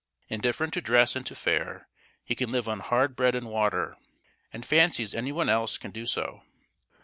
Indifferent to dress and to fare, he can live on hard bread and water, and fancies any one else can do so.